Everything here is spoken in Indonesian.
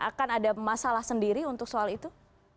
akan ada masalah sendiri untuk soal itu